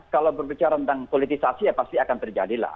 kalau berbicara tentang politisasi ya pasti akan terjadilah